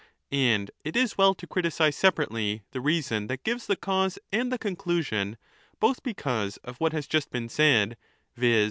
And it is well to criticize separately the reason that gives the cause and the conclusion both because of what has just been said,^ viz.